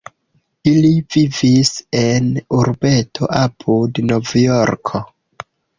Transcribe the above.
Ili vivis en urbeto apud Novjorko.